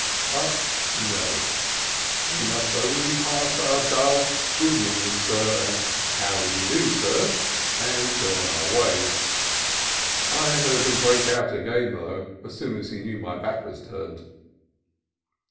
But no; we must only pass our dull "Good morning, sir," and "How do you do, sir?" and go 228 CALIFORNIA COAST TRAILS on our ways. I heard him break out again, though, as soon as he knew my back was turned.